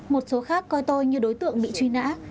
một số khác coi tôi như đối tượng bị truy nã